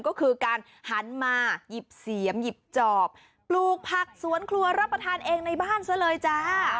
ก็คือการหันมาหยิบเสียมหยิบจอบปลูกผักสวนครัวรับประทานเองในบ้านซะเลยจ้า